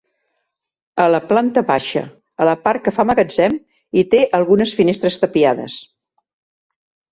A la planta baixa, a la part que fa magatzem hi té algunes finestres tapiades.